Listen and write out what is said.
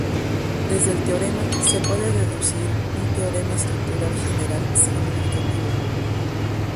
Desde el teorema, se puede deducir un Teorema Estructural General significativo.